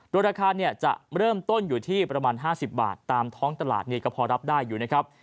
โดยราคาจะเริ่มต้นอยู่ที่ประมาณ๕๐บาทตามท้องตลาดก็พอรับได้อยู่นะครับ